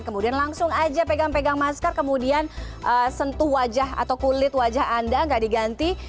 kemudian langsung aja pegang pegang masker kemudian sentuh wajah atau kulit wajah anda nggak diganti